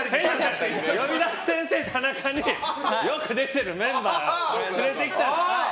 「呼び出し先生タナカ」によく出ているメンバーを連れてきたのよ。